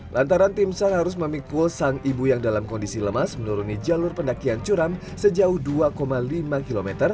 lantaran tim sar harus memikul sang ibu yang dalam kondisi lemas menuruni jalur pendakian curam sejauh dua lima km